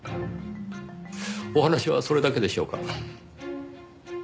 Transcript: お話はそれだけでしょうか？